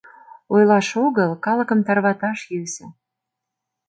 Ойлаш огыл, калыкым тарваташ йӧсӧ.